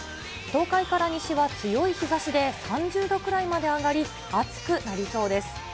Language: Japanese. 東海から西は、強い日ざしで３０度くらいまで上がり、暑くなりそうです。